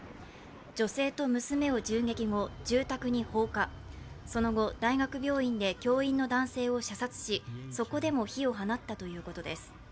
女性と娘を銃撃後、住宅に放火その後、大学病院で教員の男性を射殺し、そこでも火を放ったということです。